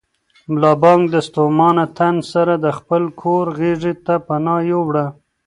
ملا بانګ د ستومانه تن سره د خپل کور غېږې ته پناه یووړه.